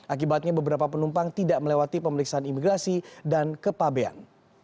akibatnya beberapa penumpang tidak melewati pemeriksaan imigrasi dan kepabean